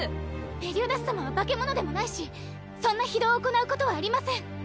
メリオダス様は化け物でもないしそんな非道を行うことはありません。